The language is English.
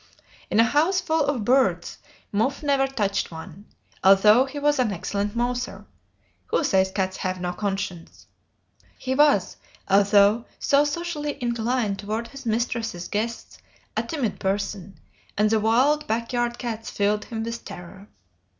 In a house full of birds Muff never touched one, although he was an excellent mouser (who says cats have no conscience?). He was, although so socially inclined toward his mistress's guests, a timid person, and the wild back yard cats filled him with terror.